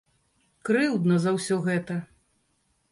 Крыўдна за ўсё гэта.